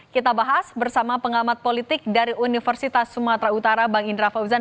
kita bahas bersama pengamat politik dari universitas sumatera utara bang indra fauzan